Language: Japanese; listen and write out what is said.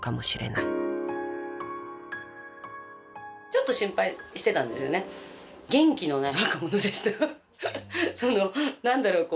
ちょっと心配してたんですよね。